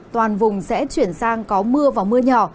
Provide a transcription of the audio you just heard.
toàn vùng sẽ chuyển sang có mưa và mưa nhỏ